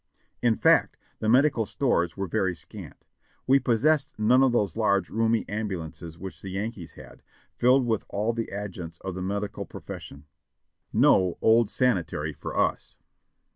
In fact, the medical stores were very scant. We possessed none of those large, roomy ambulances which the Yankees had, filled with all the adjuncts of the medical profession ; no "Old Sanitary" for us.